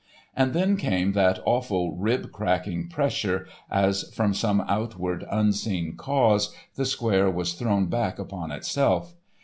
And then came that awful rib cracking pressure, as, from some outward, unseen cause, the square was thrown back upon itself.